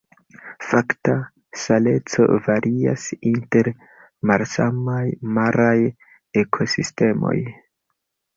Fakta saleco varias inter malsamaj maraj ekosistemoj.